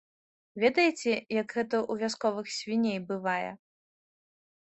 Ведаеце, як гэта ў вясковых свіней бывае.